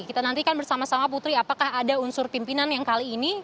kita nantikan bersama sama putri apakah ada unsur pimpinan yang kali ini